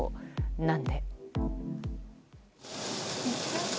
何で？